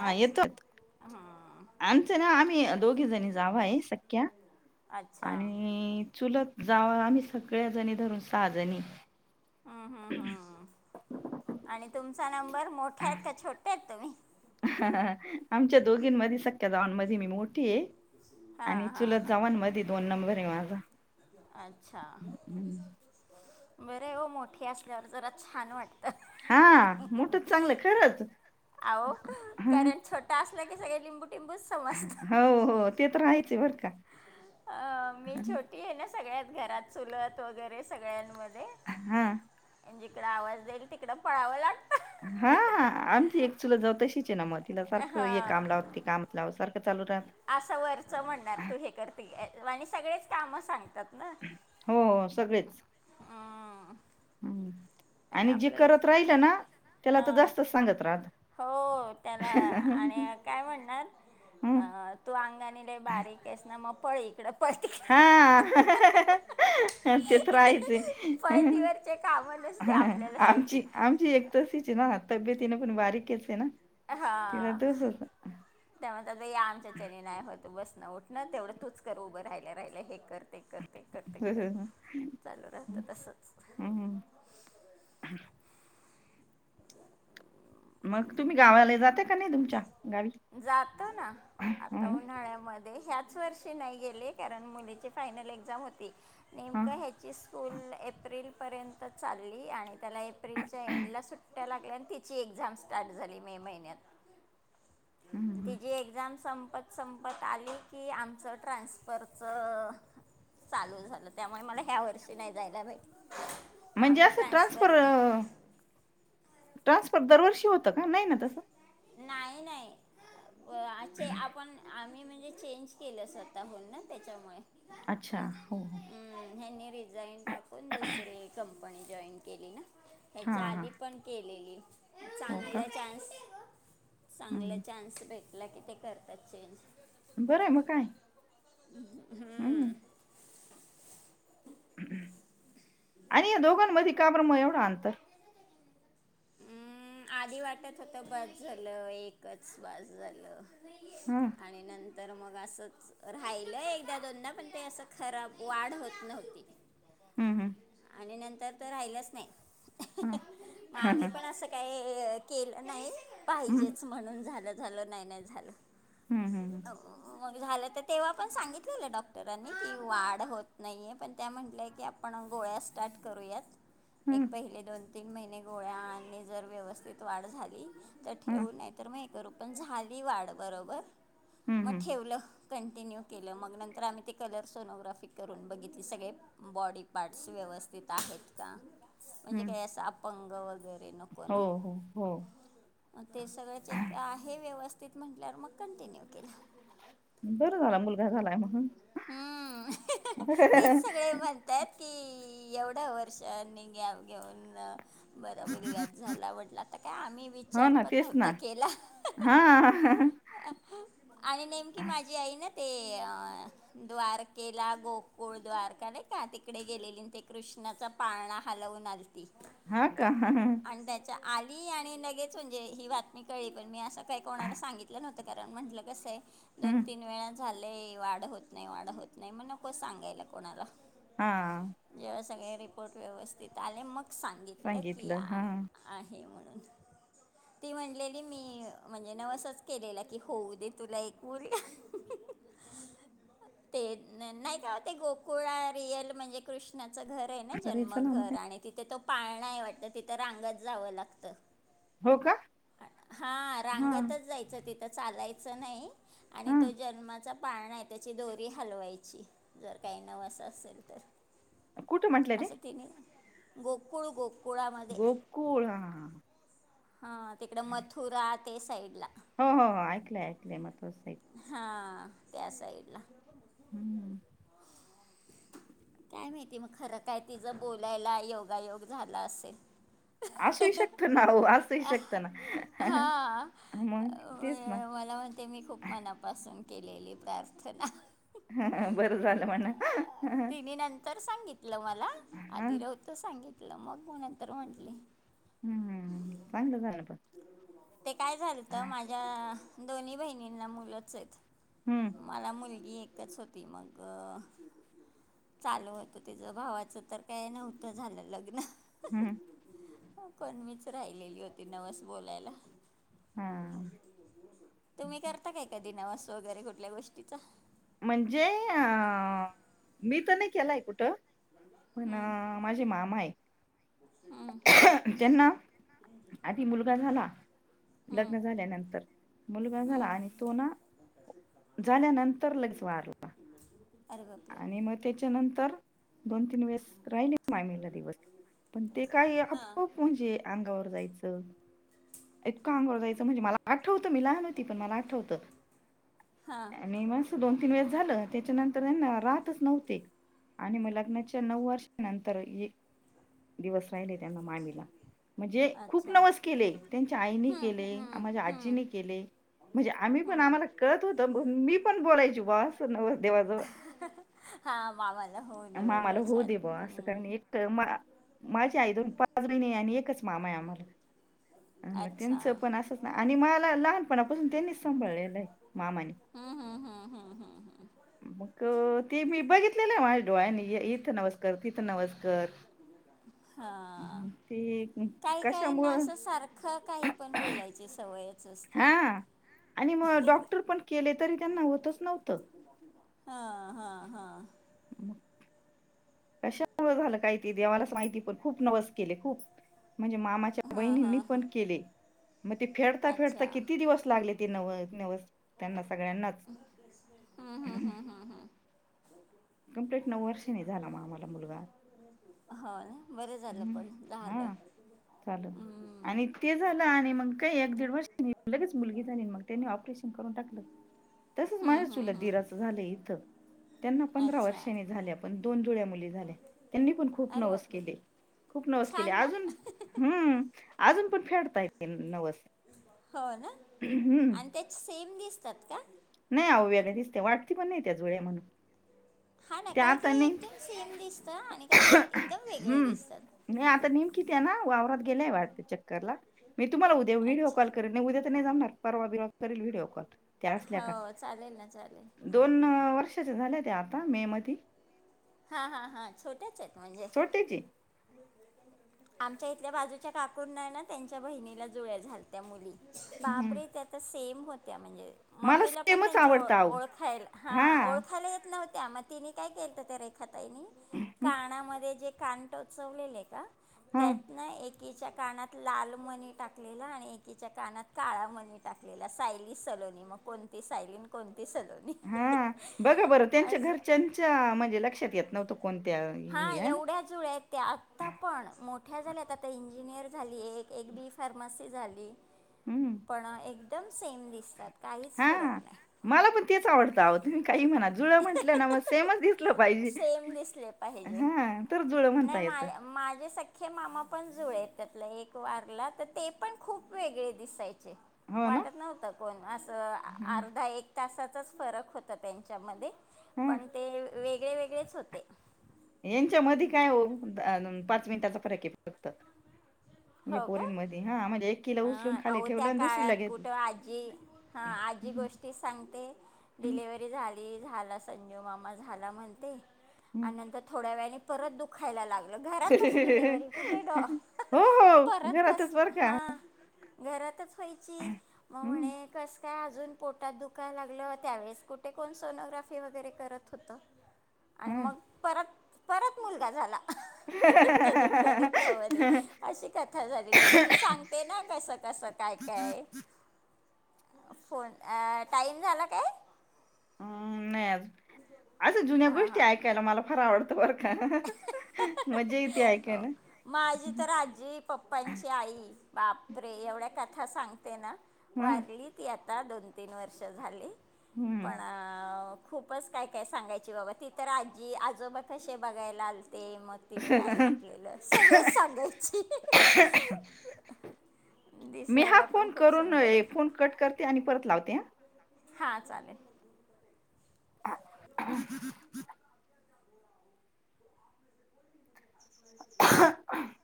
हा येतोय. हा आमचं ना आम्ही दोघे जणी जाव आहे सख्या अच्छा हम्म आणि चुलत जावा आम्ही सगळ्या जणी धरून सहाजणी. ह आणि तुमचा नंबर मोठा आहेत का छोटे आहेत तुम्ही? ह आमच्या दोघींमध्ये सख्याजावांमध्ये मी मोठी आहे आणि हां हां चुलत हां जावन मध्ये दोन नंबर आहे माझा. अच्छा हम्म. बरं ओ मोठी असल्यावर जरा छान वाट हा मोठच चांगलं खरंच आहो ह कारण छोटा असलं की सगळे लिंबू टिंबूच समजतं हो-हो ते तर आहेच बर का. अ मी छोटी आहे ना सगळ्यात घरात चुलत वगैरे सगळ्यांमध्ये हा. जिकडं आवाज जाईल तिकड पळावं लाग हा हा आमची एक चुल जाऊ तशीच आहे ना मग तिला सारखं हे काम लाव ते काम लाव सारखंचालू राहात. असं वरचं म्हणणार तू हे करते आणि सगळेच काम सांगतात ना. हो-हो सगळेच. हम्म. हम्म आणि जे करत राहिल ना. त्याला तर हा जास्तच सांगत राहत हो त्याला आणि काय म्हणणार. अ हम्म तू अंगाणी लय बारीकेस ना मग पळ इकड हा [unintelligible] ह ते तर आहेच पळतीवरचे कामं नुसते आपल्याला [unintelligible] आमची सांगतील आमची एक तसच ना तब्यतीने पण बारीकच आहे ना. तिला हा तसच त्यामुळे या आमच्याणी नाही होत बसनं उठणं तेवढं तूच कर उभं राहियला राहिलं हे कर ते कर ते कर ते कर ह चालू राहतं तसंच हम्मम मग तुम्ही गावाला जाते का नाही तुमच्या गावी? जातो ना हो आता ना उन्हाळ्यामध्ये ह्याच वर्षी नाही गेले कारण मुलीची फायनल एक्झाम होती. हा नेमकं ह्याची स्कूल एप्रिल पर्यंत चालली आणि त्याला एप्रिलच्या एंडला सुट त्या लागल्यान तिची एक्झाम स्टार्ट झाली मे महिन्यात. हम्म तिचे एक्झाम संपत. संपत आली की आमचं ट्रान्सफरचं. चालू झालं त्यामुळे मला ह्या वर्षी नाही जायला भईट म्हणजे आम्ही असं ट्रान्सफर ट्रान्सफर दरवर्षी होतं का नाही ना तसं नाही-नाही अछ आपण आम्ही म्हणजे चेंज केलं स्वतःहून ना त्याच्यामुळे. अच्छा हो-हो. ह ह्यानी रिझाईन टाकून दुसरी कंपनी जॉईन केली ना. हा ह्याच्या हा आधी पण केलेली. हो का चांगला चान्स चांगला हम्म चान्स भेटला की ते करतात चेंज. बरं आहे मग काय. हम्म आणि या दोघांमध्ये का बरं मग एवढं आंतर हम्म, आधी वाटत होत बस झालं एकच बस झालं. हम्म आणि नंतर मग असंच. राहिलं एकदा दोनदा पण ते असं खराब वाढ होत नव्हती. हम्म हम्म. आणि नंतर तर राहिलंच नाही हा मग आम्ही पण असं. काय केलं नाही हम्म हम्म पाहिजेच म्हणून झालं झालं नाही नाही झालं. हम्म [inaudible] मग झालं तर तेव्हा पण सांगितलेलं डॉक्टरांनी की वाढ होत नाही आहे पण त्या म्हटलंय की आपण. गोळ्या स्टार्ट करूयात हम्म एक पहिले दोन.. तीन महिने गोळ्या आणि जर व्यवस्थित वाढ झाली तर हम्म ठेवून नाही तर मग. करू पण झाली वाढ बरोबर हम्म मग हम्म ठेवलं. कंटिन्यू केलं मग नंतर आम्ही ते कलर सोनोग्राफी करून बघितली सगळे बॉडी. पाठशी व्यवस्थित आहेत का म्हणजे हम्म. काय अस अपंग वगैरे. ते नको हो ना. हो हो. म ते सगळं चेक आहे व्यवस्थित म्हटल्यावर मग कंटिन्यू केलं. बर झाल मुलगा झालाय म्हणून. हम्म त्यात कि एवढ्या वर्षांनी घ्या घेऊन. बर मुलगाच झाला वाटल आता काय आम्ही हो विचार ना पण तेच ना. नव्हता केला. [unintelligible] आणि नेमकी माझी आई ना ते अ द्वारकेला गोकुळ द्वारका नई का तिकडे गेलेली ते कृष्णाच पाळणा हलवून आलती. हा का. च्या आली आणि लगेच म्हणजे ही बातमी कळली पण मी असं काही कोणाला सांगितलं नव्हतं कारण म्हटलं कसं आहे दोन हम्म. तीन वेळा झालेय वाढ होत नाही वाढ होत नाही म नको सांगायला कोणाला. हा. जेव्हा सगळे रिपोर्ट व्यवस्थित आले मग सांगितलं की आ आहे म्हणून. ती म्हणलेली मी म्हणजे नवसच केलेला की होऊ दे तुला एक मुल. [inaudible] ते नाही का ओ ते गोकुळात रियल म्हणजे कृष्णाचं घर आहे ना बरं जन्म चला मग घर काय. आणि तिथे तो पाळणा आहे वाटत तिथं रांगत जावं लागतं. हो का. हा रांगतच जायचं तिथं चालायचं नाही आणि हा. तो जन्माचा पाळणा आहे त्याची दोरी हलवायची, जर काही नवस असेल तर. कुठं म्हंटलं ते? असं तिने, गोकुळ गोकुळामध्ये. गोकुळ हा हा तिकड मथुरा ते साईडला. हो हो ऐकलंय ऐकलय मथुरा साईड हा, त्या साईडला. हम्म. काय माहिती मग खरं काय तिझं बोलायला योगायोग झाला असेल. असूही शकतं ना हो असूही आह, शकतं ना. हा, मग तेच ना मला वाट ते मी खूप मनापासून केलेली प्रार्थना. हा हा बरं झालं म्हणा. मी नंतर सांगितलं मला हा. आधी नवत सांगितलं मग मी नंतर म्हटली. हम्म चांगलं झालं पण. ते काय झालंत हा. माझ्या दोन्ही बहिणींना मुलंच आहेत. हम्म. मला मुलगी एकच होती मग चालू होत तिचं भावाचं तर काही नव्हतं झालं लग्न. हम्म. कोण मीच राहिलेली होती नवस बोलायला. हा. तुम्ही करता काय कधी नवास वगैरे कुठल्या गोष्टीचा. म्हणजे अ, मी तर नाही केलाय कुठं. पण माझे मामा हम्म हायत, त्यांना आधी मुलगा झाला. लग्न हम्म झाल्यानंतर, मुलगा झाला हम्म आणि तो ना, झाल्यानंत र लगेच वारला. [inaudible] आणि मग त्याच्यानंतर, दोन तीन वेळेस. राहिले मामीला दिवस, पण ते काय हां आपोआप म्हणजे अंगावर जायचं. इतकं अंगावर जायचं म्हणजे मला आठवतं मी लहान होती पण मला आठवतं हां मी मस् दोन तीन वेळे झाल त्याच्यानंतर राहतच नव्हते आणि मग लग्नाच्या नऊ वर्षानंतर ऐ दिवस राहिले त्यांना मामीला म्हणजे खूप अच्छा नवस केले त्यांच्या आईने हम्म केले हम्म माझ्या हम्म आजीने केले म्हणजे आम्ही पण आम्हाला कळत होत मी पण बोलायच बा अस नवर देवाजवळ हा मावल मामाला होऊ दे ब असं करुण एक माझी आई दोन पाच बहिणी आणि एकच मामा आहे आम्हाला मग अच्छा त्यांचं पण असच ना आणि मला लहान लहानपणापासून त्यांनी सांभाळलेलं आहे मामाने हम्म हम्म हम्म हम्म हम्म हम्म मग तेी मी बघितलेलं आहे माझ्या डोळ्यानी इथं नमस् कर तीथ नवस कर हां ती कशामुळं ख काही पण बोलायची सवयेत हा आणि मग डॉक्टर पण केले तरी त्यांना होतच नव्हतं हा हा हा म कशामूळ झालं काहीती देवालाच माहिती पण खूप नवस केले खूप म्हणजे मामा हां बहिणींनी हां पण केले मग ते फेडता फेडता अच्छा किती दिवस लागले ते न नवस त्यांना सगळ्यांनाच. हम्म हम्म हम्म हम्म हम्म कंपप्लीट नऊ वर्ष न झाला मग मुलगा हो बरं झालं पण झालं चाल आणि हम्म, ते झालं आणि मग काय एक दीड वर्ष लगेच मुलगी झाली मग त्यानी ऑपरेशन करून टाकलं तसंच माझ्या हम्म, हम्म, चुलत दीराचं झालंय इथं त्यांना हम्म. पंधरा अच्छा वर्षांनी झाल्या पण दोन जुळ्या मुली झाल्या त्यांनी पण खूप अरे नवस बापरे केले खूप नवस केले छान ना अजून हम् अजून पण फेडताय नवस हो ना हम्म. आणि त्याचे सेम दिसतात का नाय अव वेगळे दिसते वाटती पण नाही त्या जुळ्या या म्हणून हा ना त्या काय आता काय नेमकी एकदम सेम दिसतं आणि काय काय एकदम वेगळे हम्म दिसतात नाही आता नेमकी ते ना वावरात गेल्याय वाटत चक्करला मी तुम्हाला उद्या व्हिडिओ कॉल अच्छा उद्या नाही जामणार परबीरवा करेल व्हिडओ हो चालेल ना चालेल दोन वर्षाच्या झाल्या त्या आता मे मध्ये हा हा हां छोट्या त म्हणजे छोटेची आमच्या इथल्या बाजूच्या काकुना ना त्यांच्या बहिणीला जुळ्या झालत त्या मुली हम्म. बापरे त्यात सेम होत्या म्हणजे मला मम्मीला पण सेमच त्यांच्या ओ आवडतं अहो ओळखायला हा ओळखायला येत नव्हत्या मग तिने काय केलंत त्या रेखाताईनी कानामध्ये जे कान टोचवलेले का हा त्यात एक एकीच्या कानात लाल मणी टाकलेला आणि एकीच्या कानात काळा मणी टाकलेला सायली सलोनी मग कोणती सायलीन कोणती सलून हा बघा बरं त्यांच्या घरच्याच्या म्हणजे लक्षात येत नव्हतं कोणत्या हा हे आहे ना एवढ्याच जुळ्या आहेत त्या, आत्ता पण मोठ्या झाल्यात आता इंजिनियर झाली एक, एक बी फार्मसी झाली. हम्म पण एकदम सेम दिसतात काहीच हा फरक नाही मला पण तेच आवडतंवं तुम्ही काही म्हणा जुळ म्हटलं ना मग सेमच दि सेम दिसले पाहिजे तर जुळं नाही म्हणता मा येतं माझे सक हे मामा पण जुळ त्यातला एक वारला तर ते पण खूप वेगळे दिसायचे हो ना वाटत नव्हतं कोण असं हम्म. अर्धा एक तासाचाच फरक होत त्यांच्यामध्ये हा पण ते वेगळे वेगळेच होते यांच्या मध काय हो पाच मिनटाचा फरक आहे फक्त या हो का पोरींमध्ये हा म्हणजे एक किलो उचलून अ खाली अह त्या ठेवलं आणि दुसरीला काळात घेतलं कुठं आजी हा आजी गोष्ट ती सांगते डिलेवररी झाली झाला संजीव मामा झाला म्हणते. हम्म. आणि नंतर थोड्या वेळानी परत दुखायला लागलं घरातच डिलेिव्हरी कुठे डॉ. हो हो परत कस घरातच बरं का हा घरातच. खयची मग हम्म म्हणे कसं काय अजून पोटात दुखायला लागलं त्यावेळेस कुठे कोण सोनोग्राफी वगैरे करत होतं. आणि हा मग परत परत मुलगा झाला. त्या दधुकड्या दुकड्यामध्ये अशी खातात. कथा झाली त्याची ती सांगते ना कसं कसं काय काय. फोन टाईम झाला काय. हम् नाही असशा जुन्या गोष्टी ऐकायला मला फार आवडतं. बर ख मजा य तती ऐकू हो ना. माझी तर आजी पप्पांची आई बापरे एवढ्या कथा सांगते ना. हं, वाारली ती आता दोन तीन वर्ष झाली हं. पण खूपच काय काय सांगायची बाबा ती तर आजी आजोबा कसे बघायला आलते मग. तिने काय घातलेलं सगळं सांगायची. मी हा दिसायला पण फोन खूप करून सुंदर होती. फोन कट करते आणि परत लावते. हा चालेल. ह